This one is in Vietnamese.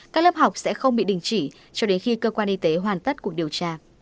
các lớp học sẽ không bị đình chỉ cho đến khi cơ quan y tế hoàn tất cuộc điều tra